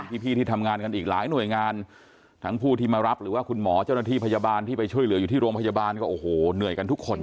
พี่พี่ที่ทำงานกันอีกหลายหน่วยงานทั้งผู้ที่มารับหรือว่าคุณหมอเจ้าหน้าที่พยาบาลที่ไปช่วยเหลืออยู่ที่โรงพยาบาลก็โอ้โหเหนื่อยกันทุกคน